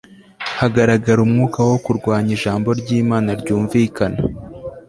Hagaragara umwuka wo kurwanya ijambo ryImana ryumvikana